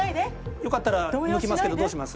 よかったら向きますけどどうします？